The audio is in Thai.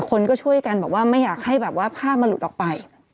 คนก็ช่วยกันบอกว่าไม่อยากให้แบบว่าภาพมันหลุดออกไป